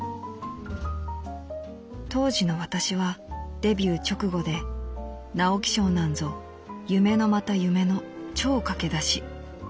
「当時の私はデビュー直後で直木賞なんぞ夢のまた夢の超駆け出し。